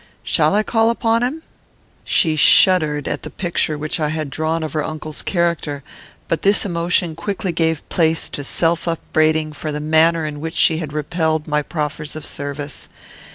Shall I call upon him?" She shuddered at the picture which I had drawn of her uncle's character; but this emotion quickly gave place to self upbraiding for the manner in which she had repelled my proffers of service.